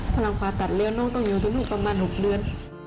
พลังผ่าตัดเร็วน้องต้องอยู่ทุนลูกประมาณ๖เดือน